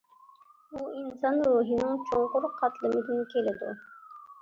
ئۇ ئىنسان روھىنىڭ چوڭقۇر قاتلىمىدىن كېلىدۇ.